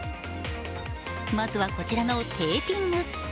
まずは、こちらのテーピング。